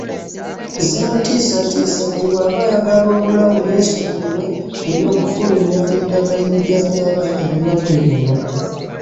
Zimutiisatiisa nti bw'aba ayagala obulamu yeesonyiwe eby'okufulumya eddagala erijjanjaba ebirwadde bino.